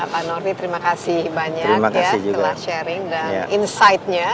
pak nordi terima kasih banyak ya telah sharing dan insightnya